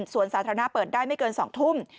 ส่วนสาธารณะเปิดได้ไม่เกิน๒ทุ่ม